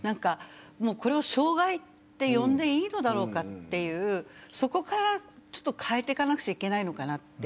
これを障害と呼んでいいのかというそこから変えていかなくちゃいけないのかなと。